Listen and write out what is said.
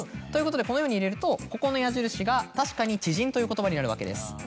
ということでこのように入れるとここの矢印が確かに「知人」という言葉になるわけです。